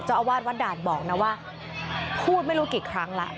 อาวาสวัดด่านบอกนะว่าพูดไม่รู้กี่ครั้งแล้ว